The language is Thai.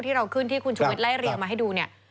ที่เราขึ้นที่คุณชุวิตไล่เรียงมาให้ดูเนี่ย